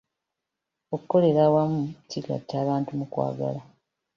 Okukolera awamu kigatta abantu mu kwagala.